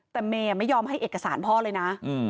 แต่เมย์ไม่ยอมให้เอกสารพ่อเลยนะ